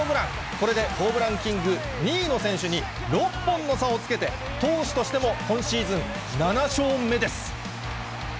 これでホームランキング２位の選手に、６本の差をつけて、投手としても今シーズン７勝目です。